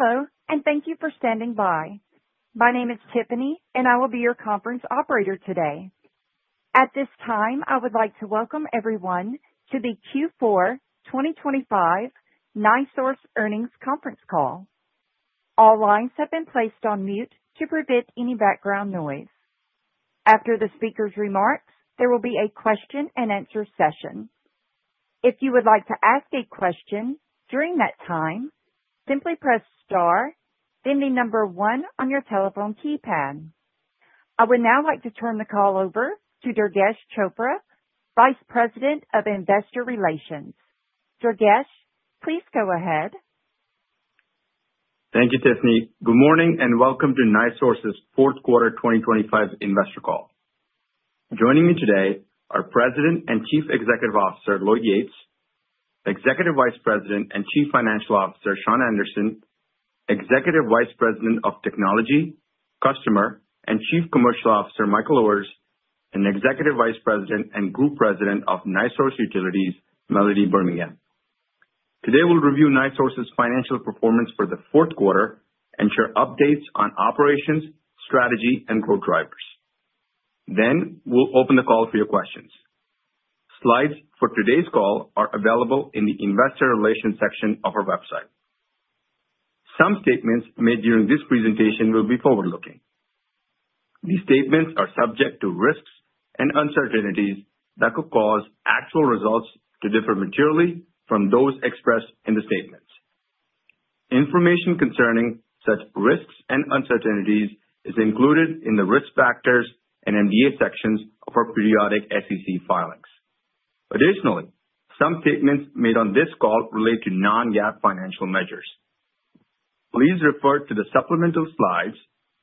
Hello, and thank you for standing by. My name is Tiffany, and I will be your conference operator today. At this time, I would like to welcome everyone to the Q4 2025 NiSource Earnings conference call. All lines have been placed on mute to prevent any background noise. After the speaker's remarks, there will be a question-and-answer session. If you would like to ask a question during that time, simply press star, then the number one on your telephone keypad. I would now like to turn the call over to Durgesh Chopra, Vice President of Investor Relations. Durgesh, please go ahead. Thank you, Tiffany. Good morning and welcome to NiSource's Q4 2025 investor call. Joining me today are President and Chief Executive Officer Lloyd Yates, Executive Vice President and Chief Financial Officer Shawn Anderson, Executive Vice President of Technology, Customer, and Chief Commercial Officer Michael Luhrs, and Executive Vice President and Group President of NiSource Utilities, Melody Birmingham. Today we'll review NiSource's financial performance for the fourth quarter and share updates on operations, strategy, and growth drivers. Then we'll open the call for your questions. Slides for today's call are available in the Investor Relations section of our website. Some statements made during this presentation will be forward-looking. These statements are subject to risks and uncertainties that could cause actual results to differ materially from those expressed in the statements. Information concerning such risks and uncertainties is included in the Risk Factors and MD&A sections of our periodic SEC filings. Additionally, some statements made on this call relate to non-GAAP financial measures. Please refer to the supplemental slides,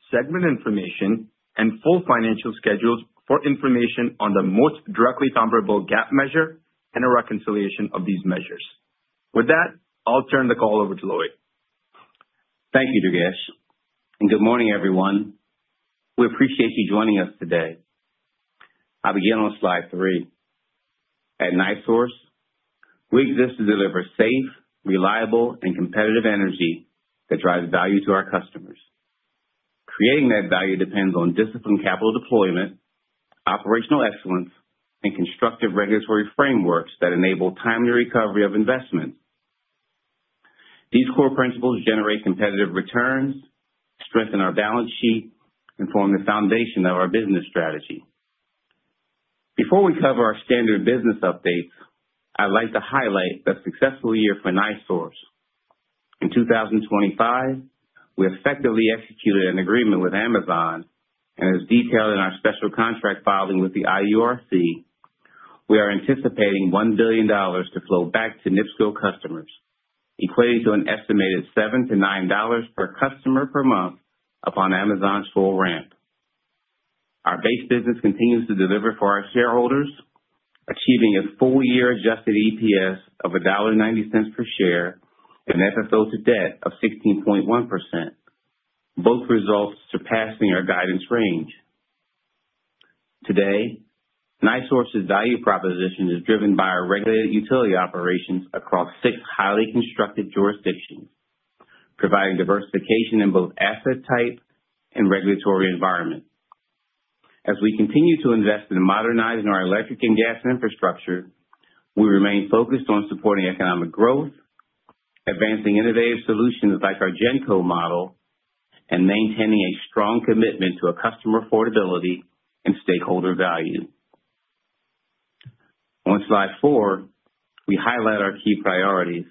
segment information, and full financial schedules for information on the most directly comparable GAAP measure and a reconciliation of these measures. With that, I'll turn the call over to Lloyd. Thank you, Durgesh, and good morning, everyone. We appreciate you joining us today. I'll begin on slide three. At NiSource, we exist to deliver safe, reliable, and competitive energy that drives value to our customers. Creating that value depends on disciplined capital deployment, operational excellence, and constructive regulatory frameworks that enable timely recovery of investments. These core principles generate competitive returns, strengthen our balance sheet, and form the foundation of our business strategy. Before we cover our standard business updates, I'd like to highlight the successful year for NiSource. In 2025, we effectively executed an agreement with Amazon, and as detailed in our special contract filing with the IURC, we are anticipating $1 billion to flow back to NIPSCO customers, equating to an estimated $7-$9 per customer per month upon Amazon's full ramp. Our base business continues to deliver for our shareholders, achieving a full-year adjusted EPS of $1.90 per share and FFO to debt of 16.1%, both results surpassing our guidance range. Today, NiSource's value proposition is driven by our regulated utility operations across six highly constructed jurisdictions, providing diversification in both asset type and regulatory environment. As we continue to invest and modernize in our electric and gas infrastructure, we remain focused on supporting economic growth, advancing innovative solutions like our GenCo model, and maintaining a strong commitment to customer affordability and stakeholder value. On slide four, we highlight our key priorities.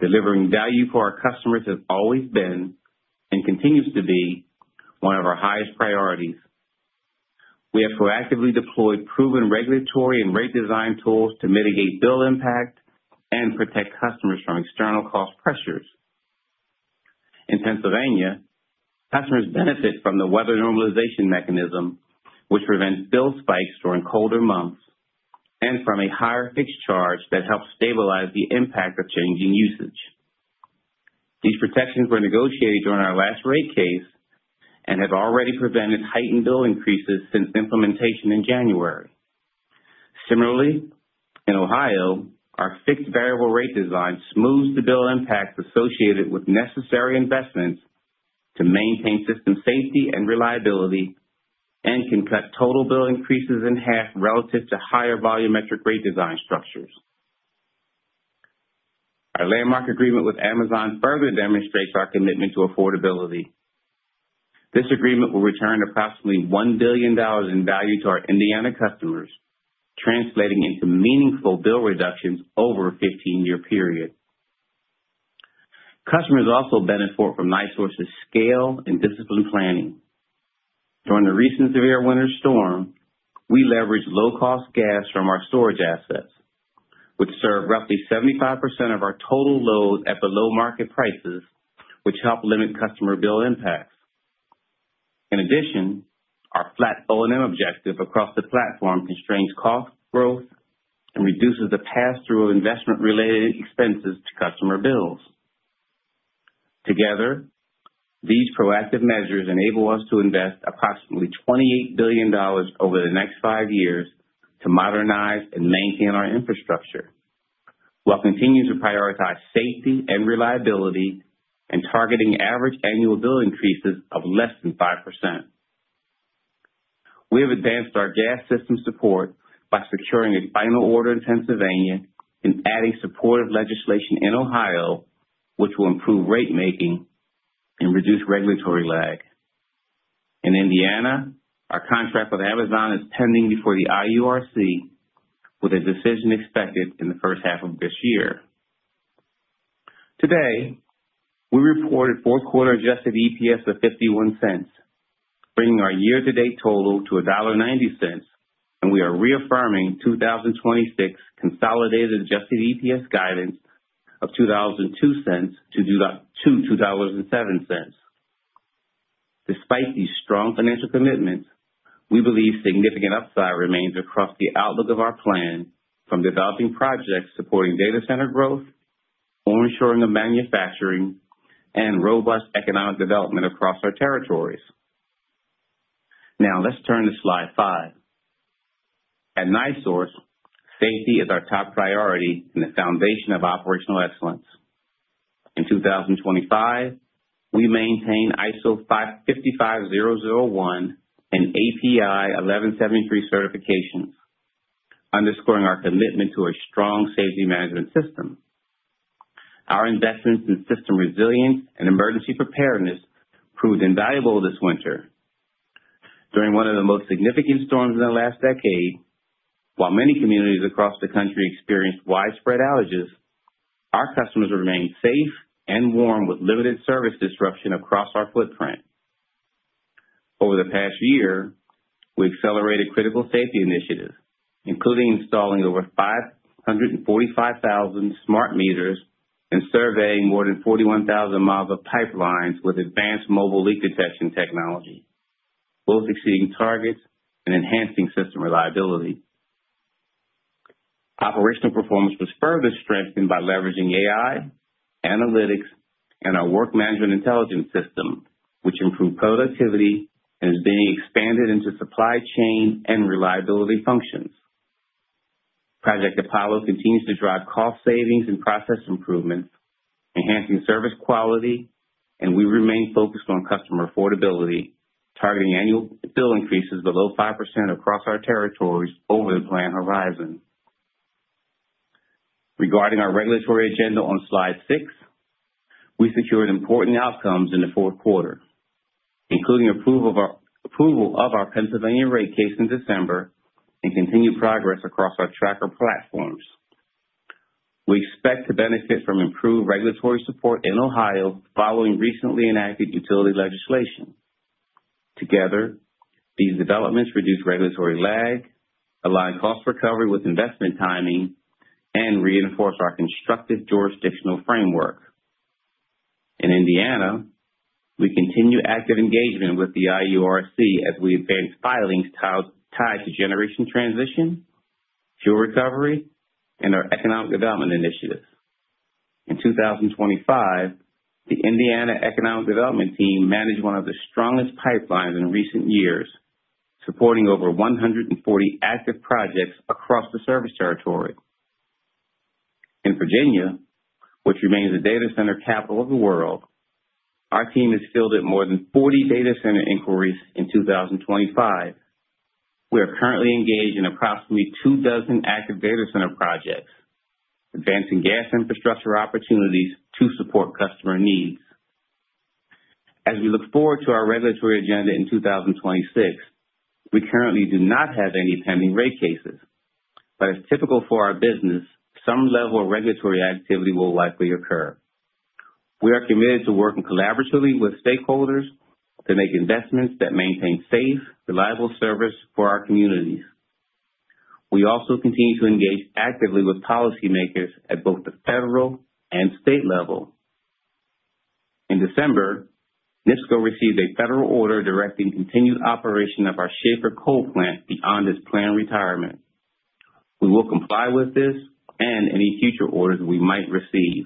Delivering value for our customers has always been and continues to be one of our highest priorities. We have proactively deployed proven regulatory and rate design tools to mitigate bill impact and protect customers from external cost pressures. In Pennsylvania, customers benefit from the weather normalization mechanism, which prevents bill spikes during colder months and from a higher fixed charge that helps stabilize the impact of changing usage. These protections were negotiated during our last rate case and have already prevented heightened bill increases since implementation in January. Similarly, in Ohio, our fixed variable rate design smooths the bill impacts associated with necessary investments to maintain system safety and reliability and can cut total bill increases in half relative to higher volumetric rate design structures. Our landmark agreement with Amazon further demonstrates our commitment to affordability. This agreement will return approximately $1 billion in value to our Indiana customers, translating into meaningful bill reductions over a 15-year period. Customers also benefit from NiSource's scale and discipline planning. During the recent severe winter storm, we leveraged low-cost gas from our storage assets, which served roughly 75% of our total load at below-market prices, which helped limit customer bill impacts. In addition, our flat O&M objective across the platform constrains cost growth and reduces the pass-through of investment-related expenses to customer bills. Together, these proactive measures enable us to invest approximately $28 billion over the next five years to modernize and maintain our infrastructure, while continuing to prioritize safety and reliability and targeting average annual bill increases of less than 5%. We have advanced our gas system support by securing a final order in Pennsylvania and adding supportive legislation in Ohio, which will improve rate-making and reduce regulatory lag. In Indiana, our contract with Amazon is pending before the IURC, with a decision expected in the first half of this year. Today, we reported fourth-quarter adjusted EPS of $0.51, bringing our year-to-date total to $1.90, and we are reaffirming 2026 consolidated adjusted EPS guidance of $2.02-$2.07. Despite these strong financial commitments, we believe significant upside remains across the outlook of our plan from developing projects supporting data center growth, or ensuring manufacturing, and robust economic development across our territories. Now, let's turn to slide five. At NiSource, safety is our top priority and the foundation of operational excellence. In 2025, we maintain ISO 55001 and API 1173 certifications, underscoring our commitment to a strong safety management system. Our investments in system resilience and emergency preparedness proved invaluable this winter. During one of the most significant storms in the last decade, while many communities across the country experienced widespread outages, our customers remained safe and warm with limited service disruption across our footprint. Over the past year, we accelerated critical safety initiatives, including installing over 0.545 million smart meters and surveying more than 41,000 miles of pipelines with advanced mobile leak detection technology, both exceeding targets and enhancing system reliability. Operational performance was further strengthened by leveraging AI, analytics, and our work management intelligence system, which improved productivity and is being expanded into supply chain and reliability functions. Project Apollo continues to drive cost savings and process improvements, enhancing service quality, and we remain focused on customer affordability, targeting annual bill increases below 5% across our territories over the planned horizon. Regarding our regulatory agenda on slide six, we secured important outcomes in the fourth quarter, including approval of our Pennsylvania rate case in December and continued progress across our tracker platforms. We expect to benefit from improved regulatory support in Ohio following recently enacted utility legislation. Together, these developments reduce regulatory lag, align cost recovery with investment timing, and reinforce our constructive jurisdictional framework. In Indiana, we continue active engagement with the IURC as we advance filings tied to generation transition, fuel recovery, and our economic development initiatives. In 2025, the Indiana Economic Development Team managed one of the strongest pipelines in recent years, supporting over 140 active projects across the service territory. In Virginia, which remains the data center capital of the world, our team has fielded more than 40 data center inquiries in 2025. We are currently engaged in approximately 24 active data center projects, advancing gas infrastructure opportunities to support customer needs. As we look forward to our regulatory agenda in 2026, we currently do not have any pending rate cases, but as typical for our business, some level of regulatory activity will likely occur. We are committed to working collaboratively with stakeholders to make investments that maintain safe, reliable service for our communities. We also continue to engage actively with policymakers at both the federal and state level. In December, NIPSCO received a federal order directing continued operation of our Schahfer coal plant beyond its planned retirement. We will comply with this and any future orders we might receive.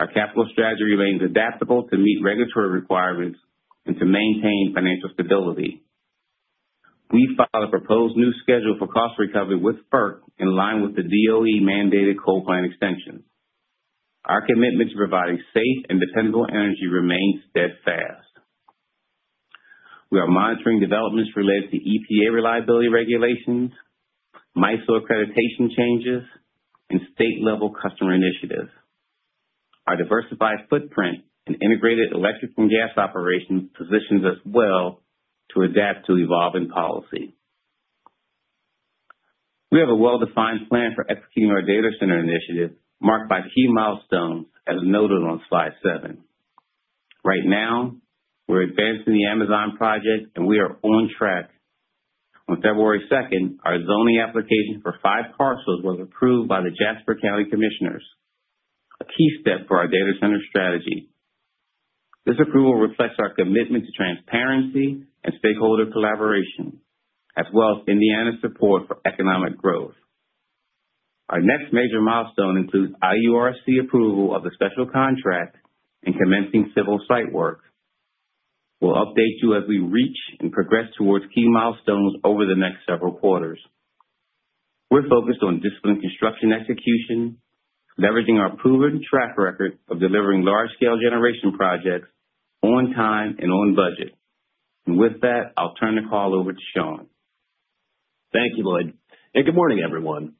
Our capital strategy remains adaptable to meet regulatory requirements and to maintain financial stability. We file a proposed new schedule for cost recovery with FERC in line with the DOE-mandated coal plant extensions. Our commitment to providing safe and dependable energy remains steadfast. We are monitoring developments related to EPA reliability regulations, NiSource accreditation changes, and state-level customer initiatives. Our diversified footprint and integrated electric and gas operations positions us well to adapt to evolving policy. We have a well-defined plan for executing our data center initiative, marked by key milestones, as noted on slide seven. Right now, we're advancing the Amazon project, and we are on track. On February 2nd, our zoning application for five parcels was approved by the Jasper County Commissioners, a key step for our data center strategy. This approval reflects our commitment to transparency and stakeholder collaboration, as well as Indiana's support for economic growth. Our next major milestone includes IURC approval of the special contract and commencing civil site work. We'll update you as we reach and progress towards key milestones over the next several quarters. We're focused on disciplined construction execution, leveraging our proven track record of delivering large-scale generation projects on time and on budget. With that, I'll turn the call over to Shawn. Thank you, Lloyd, and good morning, everyone.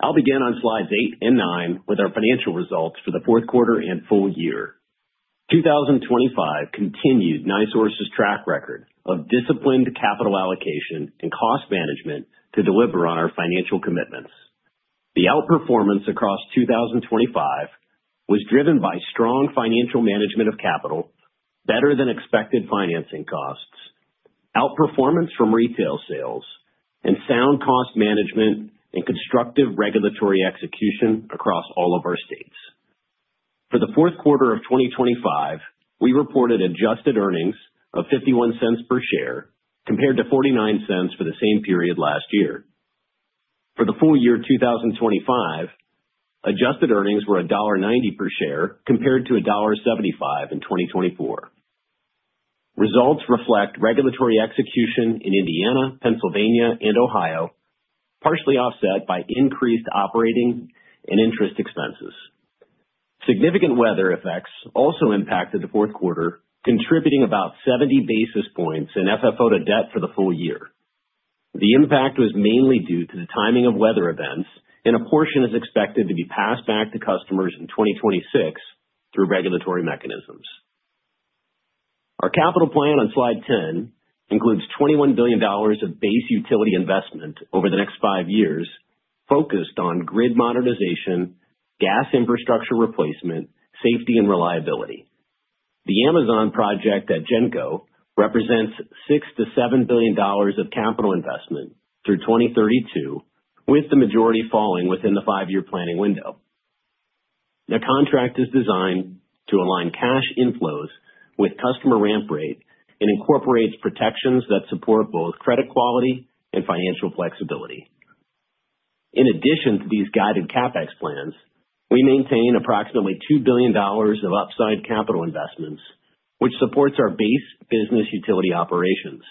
I'll begin on slides eight and nine with our financial results for the fourth quarter and full year. 2025 continued NiSource's track record of disciplined capital allocation and cost management to deliver on our financial commitments. The outperformance across 2025 was driven by strong financial management of capital, better-than-expected financing costs, outperformance from retail sales, and sound cost management and constructive regulatory execution across all of our states. For the fourth quarter of 2025, we reported adjusted earnings of $0.51 per share compared to $0.49 for the same period last year. For the full year 2025, adjusted earnings were $1.90 per share compared to $1.75 in 2024. Results reflect regulatory execution in Indiana, Pennsylvania, and Ohio, partially offset by increased operating and interest expenses. Significant weather effects also impacted the fourth quarter, contributing about 70 basis points in FFO to Debt for the full year. The impact was mainly due to the timing of weather events, and a portion is expected to be passed back to customers in 2026 through regulatory mechanisms. Our capital plan on slide 10 includes $21 billion of base utility investment over the next five years, focused on grid modernization, gas infrastructure replacement, safety, and reliability. The Amazon project at GenCo represents $6 billion-$7 billion of capital investment through 2032, with the majority falling within the five-year planning window. The contract is designed to align cash inflows with customer ramp rate and incorporates protections that support both credit quality and financial flexibility. In addition to these guided CapEx plans, we maintain approximately $2 billion of upside capital investments, which supports our base business utility operations.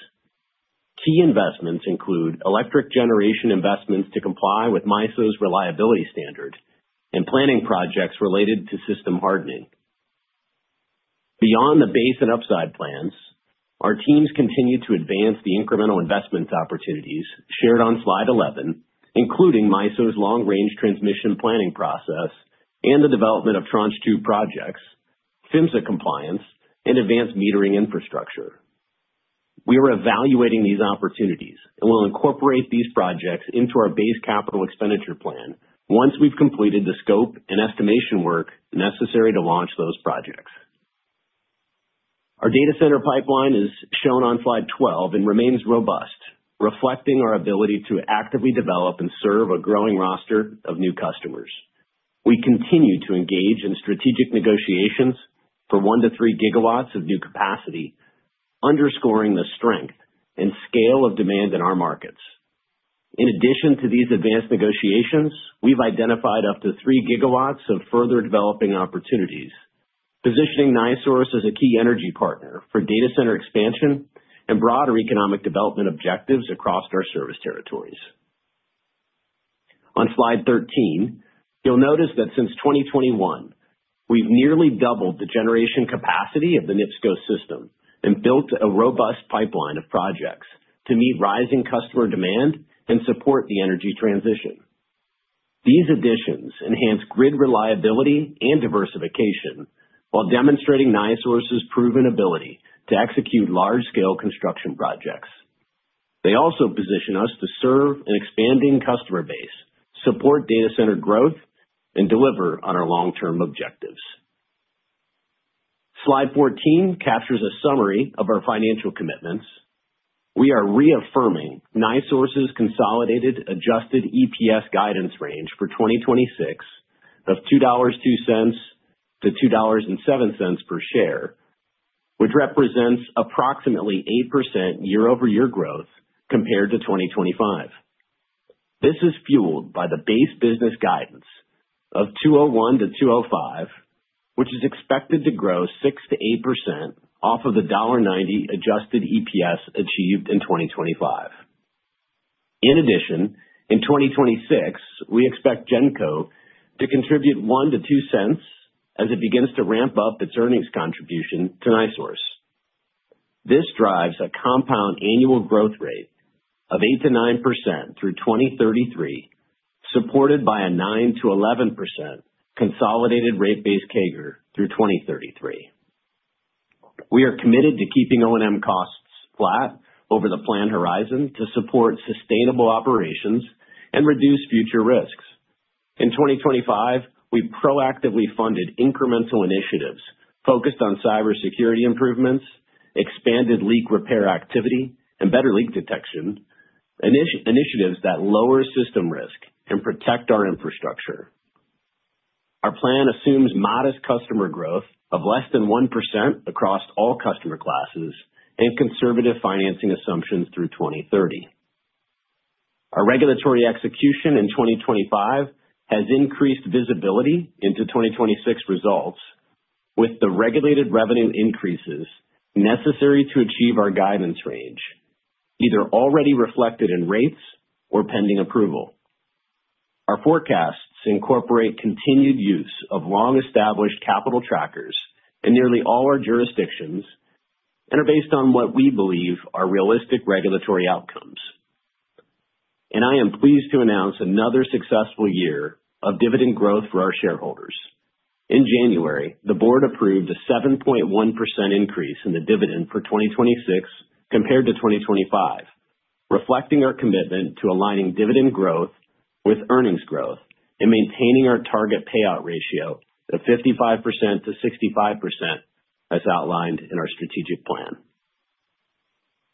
Key investments include electric generation investments to comply with NiSource's reliability standard and planning projects related to system hardening. Beyond the base and upside plans, our teams continue to advance the incremental investment opportunities shared on slide 11, including NiSource's long-range transmission planning process and the development of Tranche 2 Projects, PHMSA compliance, and advanced metering infrastructure. We are evaluating these opportunities and will incorporate these projects into our base capital expenditure plan once we've completed the scope and estimation work necessary to launch those projects. Our data center pipeline is shown on slide 12 and remains robust, reflecting our ability to actively develop and serve a growing roster of new customers. We continue to engage in strategic negotiations for 1 GW-3 GW of new capacity, underscoring the strength and scale of demand in our markets. In addition to these advanced negotiations, we've identified up to 3 GW of further developing opportunities, positioning NiSource as a key energy partner for data center expansion and broader economic development objectives across our service territories. On Slide 13, you'll notice that since 2021, we've nearly doubled the generation capacity of the NIPSCO system and built a robust pipeline of projects to meet rising customer demand and support the energy transition. These additions enhance grid reliability and diversification while demonstrating NiSource's proven ability to execute large-scale construction projects. They also position us to serve an expanding customer base, support data center growth, and deliver on our long-term objectives. Slide 14 captures a summary of our financial commitments. We are reaffirming NiSource's consolidated adjusted EPS guidance range for 2026 of $2.02-$2.07 per share, which represents approximately 8% year-over-year growth compared to 2025. This is fueled by the base business guidance of $201-$205, which is expected to grow 6%-8% off of the $1.90 adjusted EPS achieved in 2025. In addition, in 2026, we expect GenCo to contribute $0.01-$0.02 as it begins to ramp up its earnings contribution to NiSource. This drives a compound annual growth rate of 8%-9% through 2033, supported by a 9%-11% consolidated rate-based CAGR through 2033. We are committed to keeping O&M costs flat over the planned horizon to support sustainable operations and reduce future risks. In 2025, we proactively funded incremental initiatives focused on cybersecurity improvements, expanded leak repair activity, and better leak detection, initiatives that lower system risk and protect our infrastructure. Our plan assumes modest customer growth of less than 1% across all customer classes and conservative financing assumptions through 2030. Our regulatory execution in 2025 has increased visibility into 2026 results with the regulated revenue increases necessary to achieve our guidance range, either already reflected in rates or pending approval. Our forecasts incorporate continued use of long-established capital trackers in nearly all our jurisdictions and are based on what we believe are realistic regulatory outcomes. I am pleased to announce another successful year of dividend growth for our shareholders. In January, the board approved a 7.1% increase in the dividend for 2026 compared to 2025, reflecting our commitment to aligning dividend growth with earnings growth and maintaining our target payout ratio of 55%-65% as outlined in our strategic plan.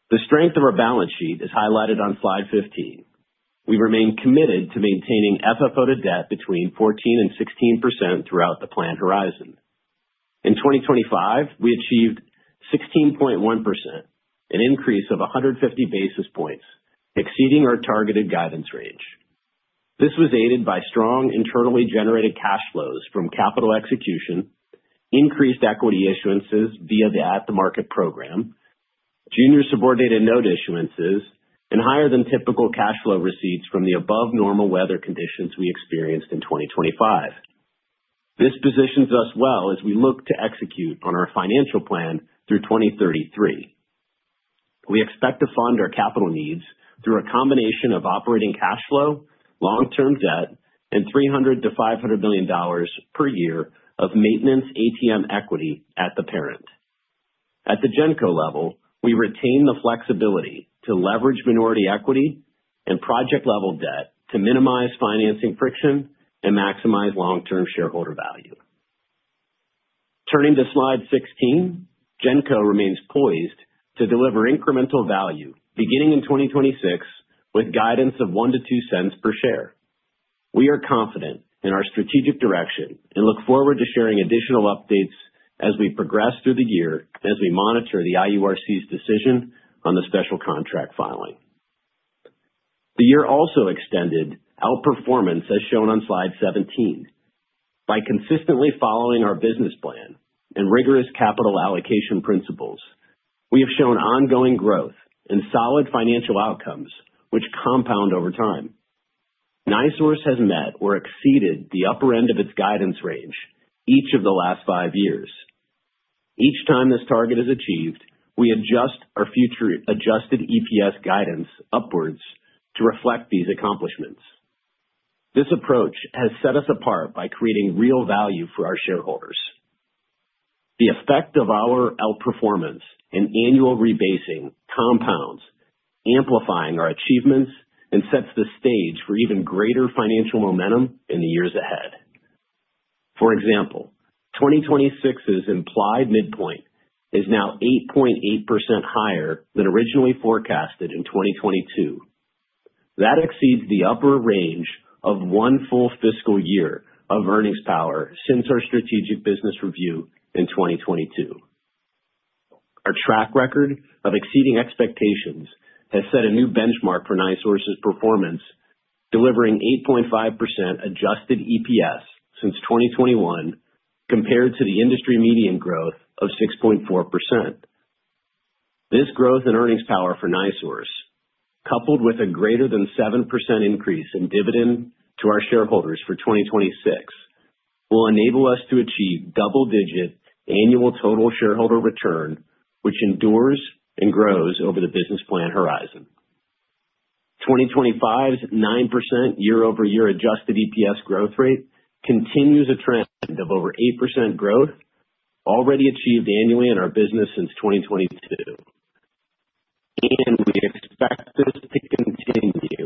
The strength of our balance sheet is highlighted on slide 15. We remain committed to maintaining FFO to Debt between 14%-16% throughout the planned horizon. In 2025, we achieved 16.1%, an increase of 150 basis points, exceeding our targeted guidance range. This was aided by strong internally generated cash flows from capital execution, increased equity issuances via the at-the-market program, junior subordinated note issuances, and higher-than-typical cash flow receipts from the above-normal weather conditions we experienced in 2025. This positions us well as we look to execute on our financial plan through 2033. We expect to fund our capital needs through a combination of operating cash flow, long-term debt, and $300-$500 million per year of maintenance ATM equity at the parent. At the GenCo level, we retain the flexibility to leverage minority equity and project-level debt to minimize financing friction and maximize long-term shareholder value. Turning to slide 16, GenCo remains poised to deliver incremental value beginning in 2026 with guidance of $0.01-$0.02 per share. We are confident in our strategic direction and look forward to sharing additional updates as we progress through the year and as we monitor the IURC's decision on the special contract filing. The year also extended outperformance as shown on slide 17. By consistently following our business plan and rigorous capital allocation principles, we have shown ongoing growth and solid financial outcomes which compound over time. NiSource has met or exceeded the upper end of its guidance range each of the last five years. Each time this target is achieved, we adjust our future adjusted EPS guidance upwards to reflect these accomplishments. This approach has set us apart by creating real value for our shareholders. The effect of our outperformance in annual rebasing compounds, amplifying our achievements, and sets the stage for even greater financial momentum in the years ahead. For example, 2026's implied midpoint is now 8.8% higher than originally forecasted in 2022. That exceeds the upper range of one full fiscal year of earnings power since our strategic business review in 2022. Our track record of exceeding expectations has set a new benchmark for NiSource's performance, delivering 8.5% adjusted EPS since 2021 compared to the industry median growth of 6.4%. This growth in earnings power for NiSource, coupled with a greater than 7% increase in dividend to our shareholders for 2026, will enable us to achieve double-digit annual total shareholder return, which endures and grows over the business plan horizon. 2025's 9% year-over-year adjusted EPS growth rate continues a trend of over 8% growth, already achieved annually in our business since 2022. [inaudible] 22:46-24:34 Your first comes from the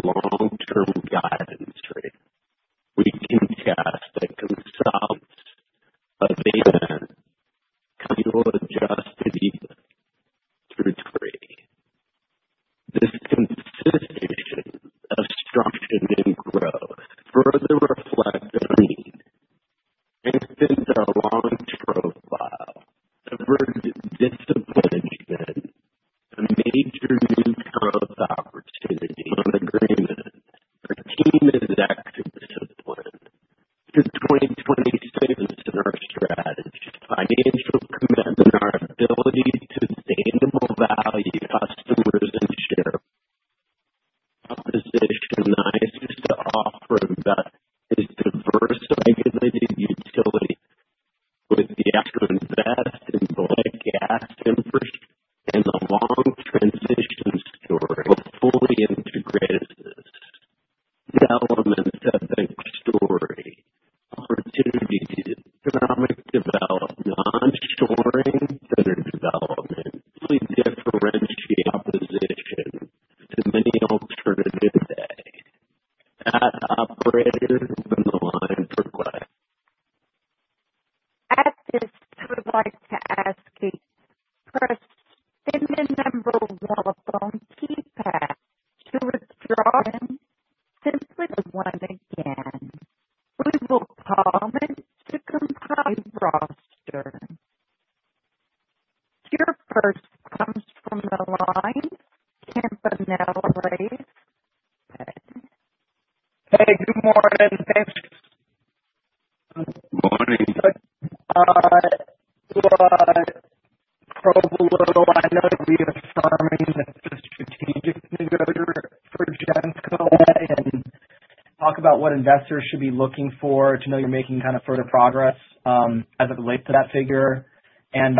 line. Nick Campanella. Go ahead. Hey, good morning Yates. Thanks. Good morning. I know that we are hiring the strategic negotiator for GenCo and talk about what investors should be looking for to know you're making kind of further progress as it relates to that figure. And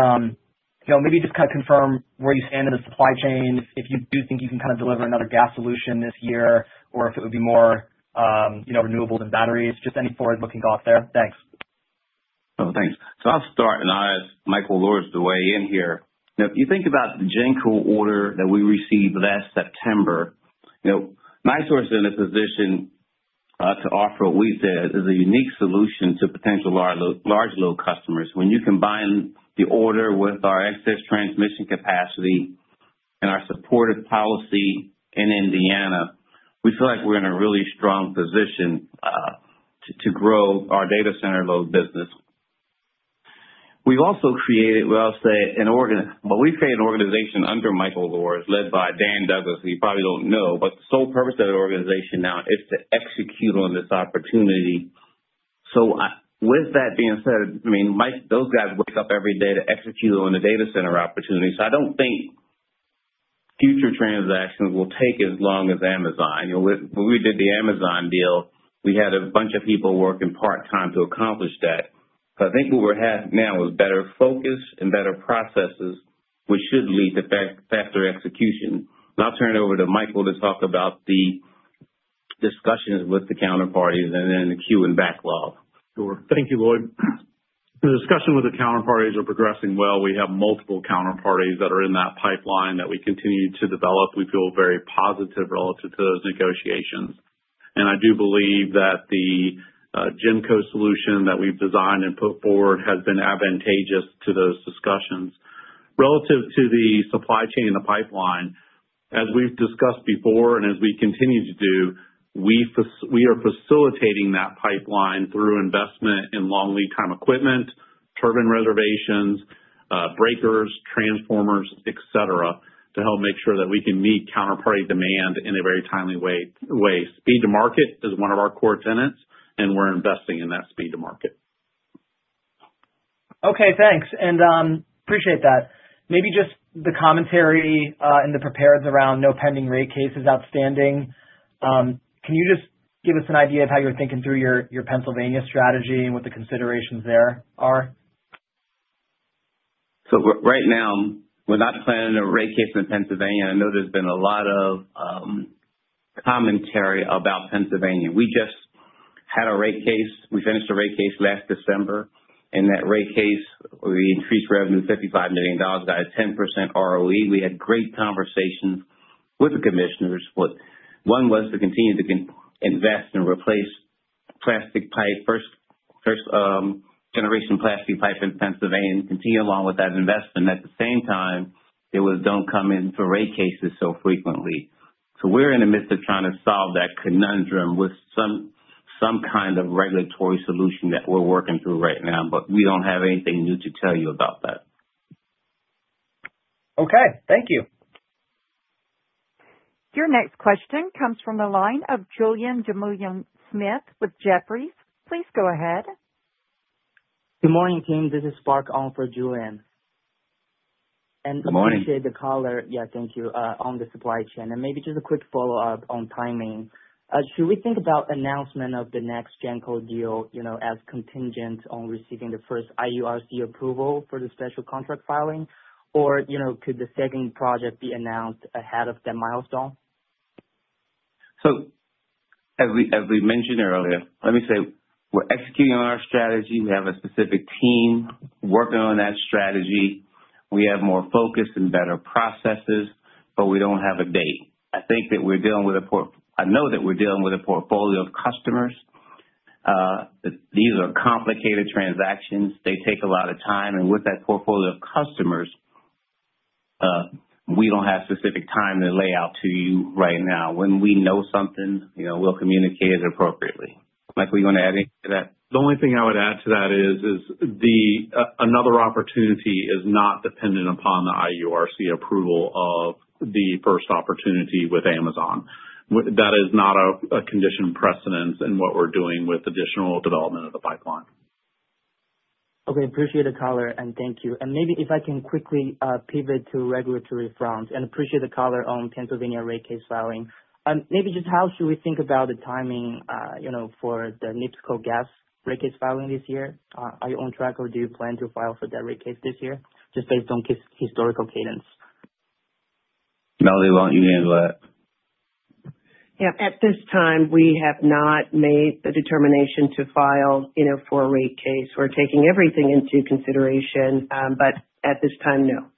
maybe just kind of confirm where you stand in the supply chain, if you do think you can kind of deliver another gas solution this year or if it would be more renewables and batteries. Just any forward-looking thoughts there. Thanks. Oh, thanks. So I'll start and I'll ask Michael Luhrs to weigh in here. If you think about the GenCo order that we received last September, NiSource is in a position to offer what we said is a unique solution to potential large load customers. When you combine the order with our excess transmission capacity and our supportive policy in Indiana, we feel like we're in a really strong position to grow our data center load business. We've also created, well, I'll say, an organization well, we created an organization under Michael Luhrs led by Dan Douglas. You probably don't know, but the sole purpose of the organization now is to execute on this opportunity. So with that being said, I mean, those guys wake up every day to execute on the data center opportunity. So I don't think future transactions will take as long as Amazon. When we did the Amazon deal, we had a bunch of people working part-time to accomplish that. But I think what we're at now is better focus and better processes, which should lead to faster execution. And I'll turn it over to Michael to talk about the discussions with the counterparties and then the queue and backlog. Sure. Thank you, Lloyd. The discussion with the counterparties are progressing well. We have multiple counterparties that are in that pipeline that we continue to develop. We feel very positive relative to those negotiations. And I do believe that the GenCo solution that we've designed and put forward has been advantageous to those discussions. Relative to the supply chain and the pipeline, as we've discussed before and as we continue to do, we are facilitating that pipeline through investment in long lead-time equipment, turbine reservations, breakers, transformers, etc., to help make sure that we can meet counterparty demand in a very timely way. Speed to market is one of our core tenets, and we're investing in that speed to market. Okay. Thanks. And appreciate that. Maybe just the commentary in the prepared around no pending rate case is outstanding. Can you just give us an idea of how you're thinking through your Pennsylvania strategy and what the considerations there are? So right now, we're not planning a rate case in Pennsylvania. I know there's been a lot of commentary about Pennsylvania. We just had a rate case. We finished a rate case last December. In that rate case, we increased revenue $55 million, got a 10% ROE. We had great conversations with the commissioners. One was to continue to invest and replace plastic pipe, first-generation plastic pipe in Pennsylvania, continue along with that investment. At the same time, it was don't come in for rate cases so frequently. So we're in the midst of trying to solve that conundrum with some kind of regulatory solution that we're working through right now. But we don't have anything new to tell you about that. Okay. Thank you. Your next question comes from the line of Julian Dumoulin-Smith with Jefferies. Please go ahead. Good morning, Team. This is Spark on for Julian. And appreciate the caller. Good morning. Yeah, thank you. On the supply chain. And maybe just a quick follow-up on timing. Should we think about announcement of the next GenCo deal as contingent on receiving the first IURC approval for the special contract filing, or could the second project be announced ahead of that milestone? So as we mentioned earlier, let me say, we're executing on our strategy. We have a specific team working on that strategy. We have more focus and better processes, but we don't have a date. I think that we're dealing with a I know that we're dealing with a portfolio of customers. These are complicated transactions. They take a lot of time. With that portfolio of customers, we don't have specific time to lay out to you right now. When we know something, we'll communicate it appropriately. Mike, are you going to add anything to that? The only thing I would add to that is another opportunity is not dependent upon the IURC approval of the first opportunity with Amazon. That is not a condition precedent in what we're doing with additional development of the pipeline. Okay. Appreciate the caller, and thank you. Maybe if I can quickly pivot to regulatory front. Appreciate the caller on Pennsylvania rate case filing. Maybe just how should we think about the timing for the NIPSCO gas rate case filing this year? Are you on track, or do you plan to file for that rate case this year? Just based on historical cadence. No, they want you to handle that. Yeah. At this time, we have not made the determination to file for a rate case. We're taking everything into consideration. But at this time, no.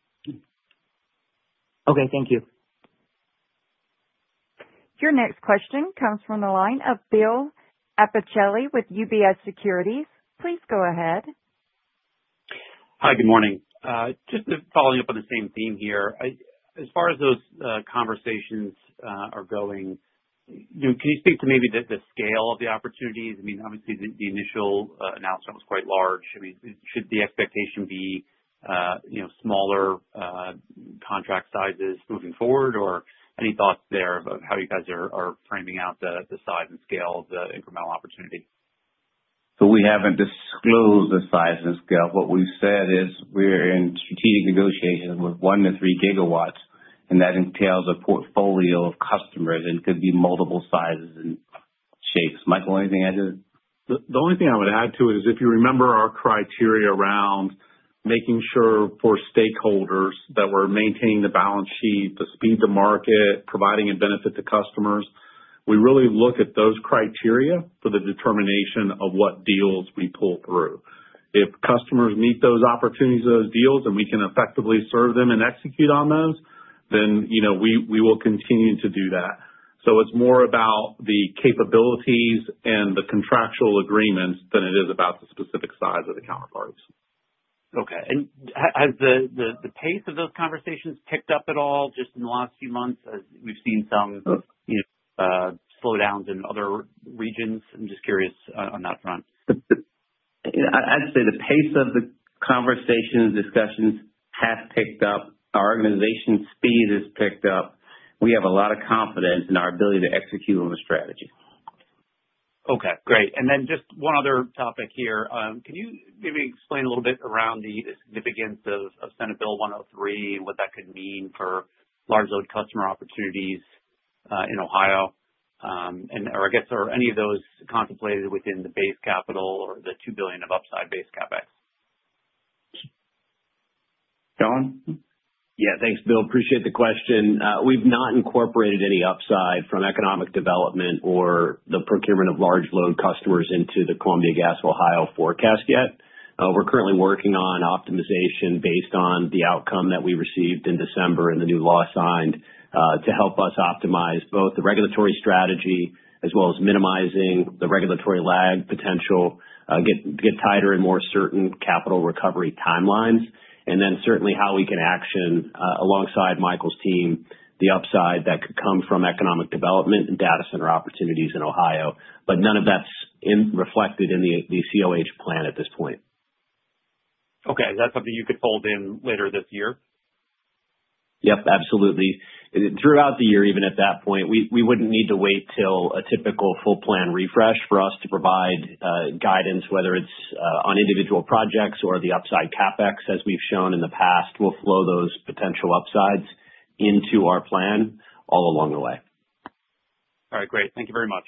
Okay. Thank you. Your next question comes from the line of Bill Appicelli with UBS Securities. Please go ahead. Hi. Good morning. Just following up on the same theme here. As far as those conversations are going, can you speak to maybe the scale of the opportunities? I mean, obviously, the initial announcement was quite large. I mean, should the expectation be smaller contract sizes moving forward, or any thoughts there of how you guys are framing out the size and scale of the incremental opportunity? So we haven't disclosed the size and scale. What we've said is we're in strategic negotiations with 1-3 GW, and that entails a portfolio of customers and could be multiple sizes and shapes. Michael, anything add to it? The only thing I would add to it is if you remember our criteria around making sure for stakeholders that we're maintaining the balance sheet, the speed to market, providing a benefit to customers, we really look at those criteria for the determination of what deals we pull through. If customers meet those opportunities of those deals and we can effectively serve them and execute on those, then we will continue to do that. So it's more about the capabilities and the contractual agreements than it is about the specific size of the counterparties. Okay. Has the pace of those conversations picked up at all just in the last few months as we've seen some slowdowns in other regions? I'm just curious on that front. I'd say the pace of the conversations, discussions have picked up. Our organization's speed has picked up. We have a lot of confidence in our ability to execute on the strategy. Okay. Great. And then just one other topic here. Can you maybe explain a little bit around the significance of Senate Bill 103 and what that could mean for large load customer opportunities in Ohio? Or I guess, are any of those contemplated within the base capital or the $2 billion of upside base CapEx? Shawn? Yeah. Thanks, Bill. Appreciate the question. We've not incorporated any upside from economic development or the procurement of large load customers into the Columbia Gas, Ohio forecast yet. We're currently working on optimization based on the outcome that we received in December and the new law signed to help us optimize both the regulatory strategy as well as minimizing the regulatory lag potential, get tighter and more certain capital recovery timelines, and then certainly how we can action alongside Michael's team, the upside that could come from economic development and data center opportunities in Ohio. But none of that's reflected in the COH plan at this point. Okay. Is that something you could fold in later this year? Yep. Absolutely. Throughout the year, even at that point, we wouldn't need to wait till a typical full plan refresh for us to provide guidance, whether it's on individual projects or the upside capex, as we've shown in the past. We'll flow those potential upsides into our plan all along the way. All right. Great. Thank you very much.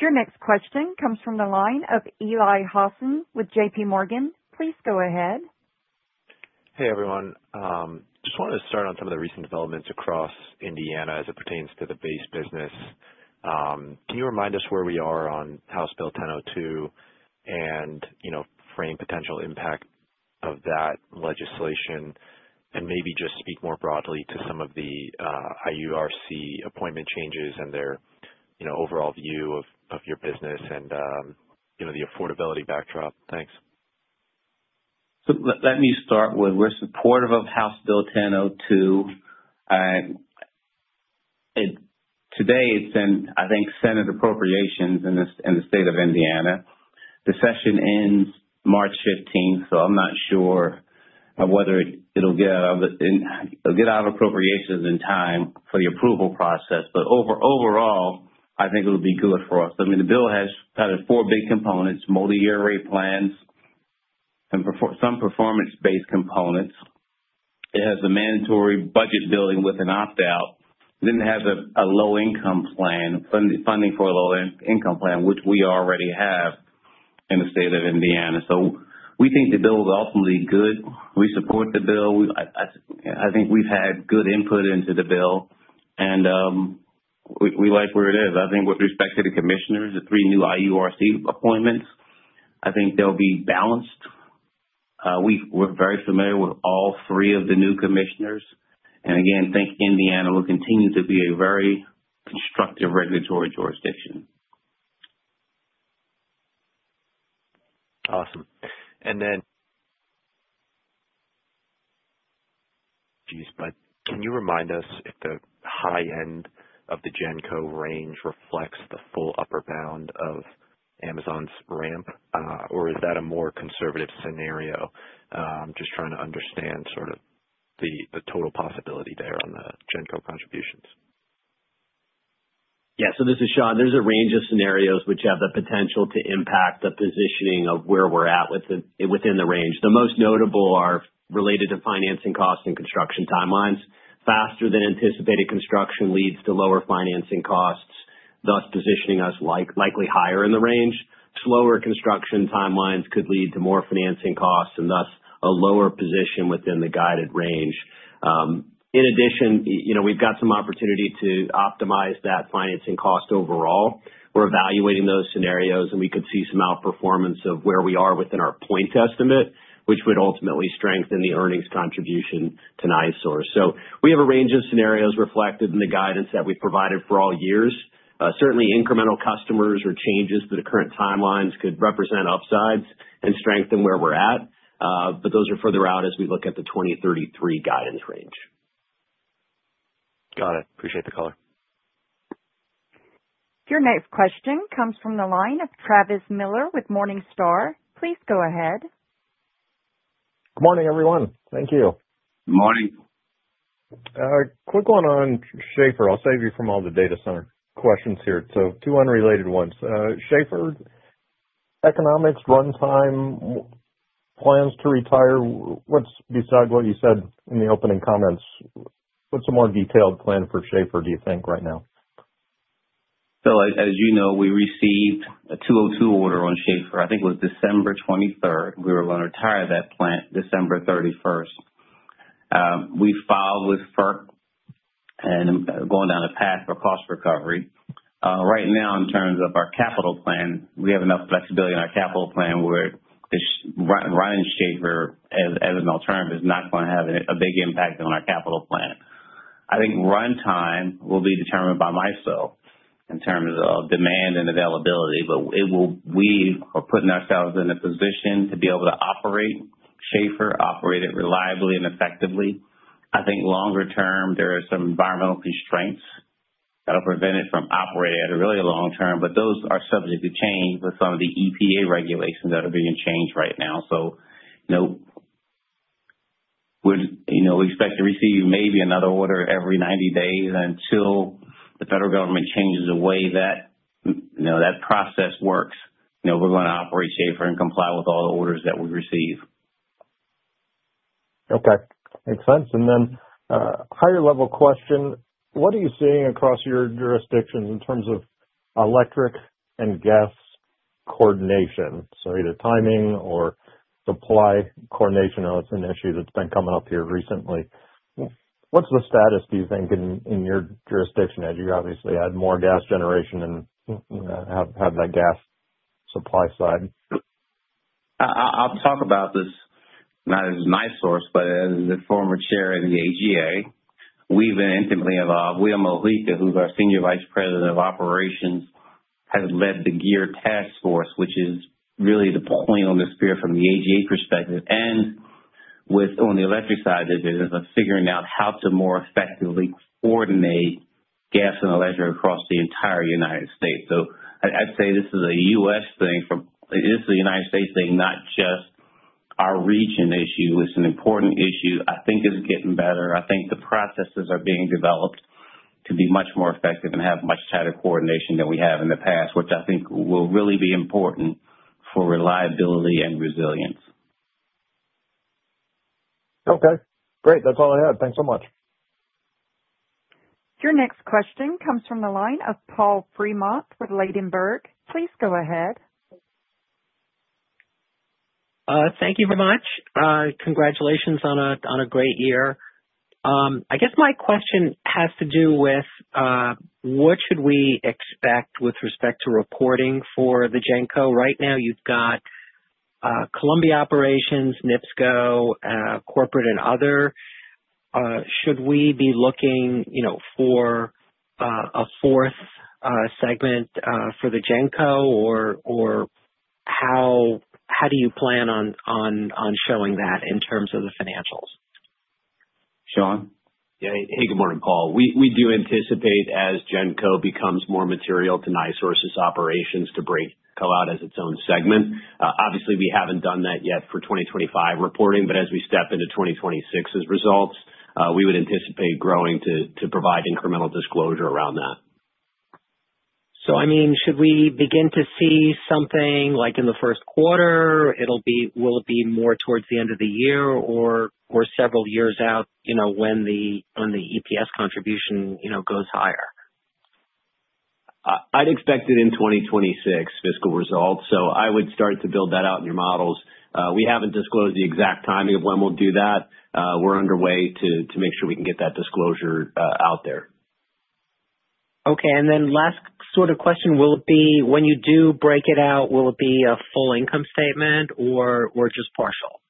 Your next question comes from the line of Eli Jossen with J.P. Morgan. Please go ahead. Hey, everyone. Just wanted to start on some of the recent developments across Indiana as it pertains to the base business. Can you remind us where we are on House Bill 1002 and frame potential impact of that legislation and maybe just speak more broadly to some of the IURC appointment changes and their overall view of your business and the affordability backdrop? Thanks. So let me start with we're supportive of House Bill 1002. Today, it's in, I think, Senate appropriations in the state of Indiana. The session ends March 15th, so I'm not sure whether it'll get out of appropriations in time for the approval process. But overall, I think it'll be good for us. I mean, the bill has kind of four big components: multi-year rate plans and some performance-based components. It has the mandatory budget building with an opt-out. Then it has a low-income plan, funding for a low-income plan, which we already have in the state of Indiana. So we think the bill is ultimately good. We support the bill. I think we've had good input into the bill, and we like where it is. I think with respect to the commissioners, the three new IURC appointments, I think they'll be balanced. We're very familiar with all three of the new commissioners. And again, think Indiana will continue to be a very constructive regulatory jurisdiction. Awesome. And then geez, but can you remind us if the high end of the GenCo range reflects the full upper bound of Amazon's ramp, or is that a more conservative scenario? Just trying to understand sort of the total possibility there on the GenCo contributions. Yeah. So this is Shawn. There's a range of scenarios which have the potential to impact the positioning of where we're at within the range. The most notable are related to financing costs and construction timelines. Faster-than-anticipated construction leads to lower financing costs, thus positioning us likely higher in the range. Slower construction timelines could lead to more financing costs and thus a lower position within the guided range. In addition, we've got some opportunity to optimize that financing cost overall. We're evaluating those scenarios, and we could see some outperformance of where we are within our point estimate, which would ultimately strengthen the earnings contribution to NiSource. So we have a range of scenarios reflected in the guidance that we've provided for all years. Certainly, incremental customers or changes to the current timelines could represent upsides and strengthen where we're at. But those are further out as we look at the 2033 guidance range. Got it. Appreciate the caller. Your next question comes from the line of Travis Miller with Morningstar. Please go ahead. Good morning, everyone. Thank you. Good morning. Quick one on Schahfer. I'll save you from all the data center questions here. So two unrelated ones. Schahfer, economics, runtime, plans to retire. Besides what you said in the opening comments, what's a more detailed plan for Schahfer, do you think, right now? So as you know, we received a 202 Order on Schahfer. I think it was December 23rd. We were going to retire that plant December 31st. We filed with FERC and going down a path for cost recovery. Right now, in terms of our capital plan, we have enough flexibility in our capital plan where running Schahfer as an alternative is not going to have a big impact on our capital plan. I think runtime will be determined by myself in terms of demand and availability. But we are putting ourselves in a position to be able to operate Schahfer, operate it reliably and effectively. I think longer term, there are some environmental constraints that'll prevent it from operating at a really long term. But those are subject to change with some of the EPA regulations that are being changed right now. So we expect to receive maybe another order every 90 days. And until the federal government changes the way that process works, we're going to operate Schahfer and comply with all the orders that we receive. Okay. Makes sense. And then higher-level question. What are you seeing across your jurisdictions in terms of electric and gas coordination? So either timing or supply coordination, it's an issue that's been coming up here recently. What's the status, do you think, in your jurisdiction as you obviously had more gas generation and have that gas supply side? I'll talk about this not as NiSource, but as the former chair of the AGA. We've been intimately involved. William Jefferson, who's our Senior Vice President of Operations, has led the GEER task force, which is really the point on this spear from the AGA perspective. And on the electric side of this, it is figuring out how to more effectively coordinate gas and electric across the entire United States. So I'd say this is a U.S. thing. This is a United States thing, not just our region issue. It's an important issue. I think it's getting better. I think the processes are being developed to be much more effective and have much tighter coordination than we have in the past, which I think will really be important for reliability and resilience. Okay. Great. That's all I had. Thanks so much. Your next question comes from the line of Paul Fremont with Ladenburg. Please go ahead. Thank you very much. Congratulations on a great year. I guess my question has to do with what should we expect with respect to reporting for the GenCo? Right now, you've got Columbia Gas, NIPSCO, corporate, and other. Should we be looking for a fourth segment for the GenCo, or how do you plan on showing that in terms of the financials? Shawn? Yeah. Hey, good morning, Paul. We do anticipate, as GenCo becomes more material to NiSource's operations, to bring GenCo out as its own segment. Obviously, we haven't done that yet for 2025 reporting. But as we step into 2026's results, we would anticipate growing to provide incremental disclosure around that. So I mean, should we begin to see something in the first quarter? Will it be more towards the end of the year or several years out when the EPS contribution goes higher? I'd expect it in 2026 fiscal results. So I would start to build that out in your models. We haven't disclosed the exact timing of when we'll do that. We're underway to make sure we can get that disclosure out there. Okay. And then last sort of question. When you do break it out, will it be a full income statement or just partial?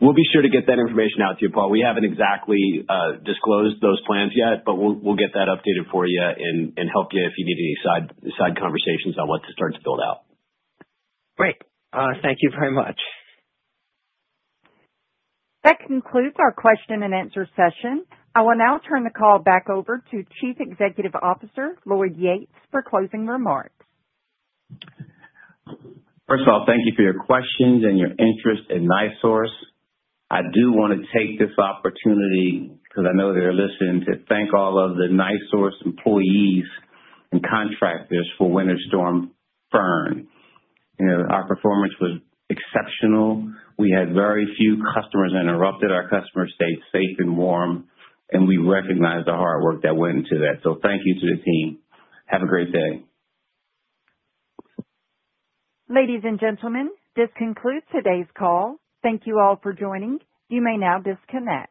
We'll be sure to get that information out to you, Paul. We haven't exactly disclosed those plans yet, but we'll get that updated for you and help you if you need any side conversations on what to start to build out. Great. Thank you very much. That concludes our question-and-answer session. I will now turn the call back over to Chief Executive Officer Lloyd Yates for closing remarks. First of all, thank you for your questions and your interest in NiSource. I do want to take this opportunity because I know they're listening to thank all of the NiSource employees and contractors for Winter Storm Fern. Our performance was exceptional. We had very few customers interrupted. Our customers stayed safe and warm, and we recognize the hard work that went into that. So thank you to the team. Have a great day. Ladies and gentlemen, this concludes today's call. Thank you all for joining. You may now disconnect.